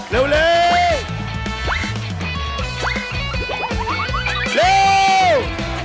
เร็วเร้ว